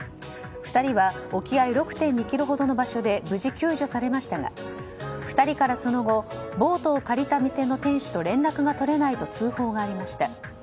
２人は沖合６．２ｋｍほどの場所で無事救助されましたが２人から、その後ボートを借りた店の店主と連絡が取れないと通報がありました。